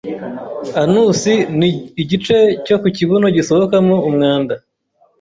anus ni igice cyo ku kibuno gisohokamo umwanda